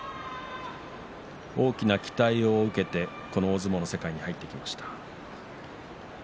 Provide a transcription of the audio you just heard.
大きな期待を受けてこの大相撲の世界に入ってきました。